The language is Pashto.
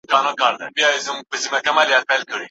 هغه وویل چې کلتور زموږ د ملت تکیه ده.